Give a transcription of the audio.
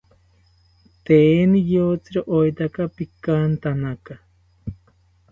Tee niyotziro oetaka pikantanaka